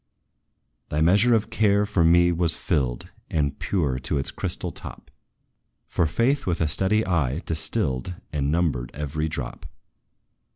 "Thy measure of care for me was filled, And pure to its crystal top; For Faith, with a steady eye, distilled And numbered every drop.